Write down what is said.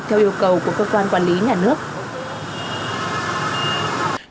theo yêu cầu của cơ quan quản lý nhà nước